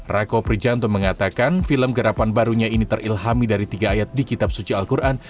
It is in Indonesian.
rako prijanto mengatakan film gerapan barunya ini terilhami dari tiga ayat di kitab suci al quran